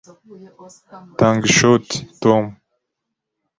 Tanga ishoti, Tom.